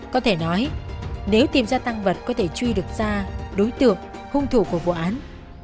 có thể nói nếu tìm ra tăng vật có thể truy được ra đối tượng hung thủ của vụ án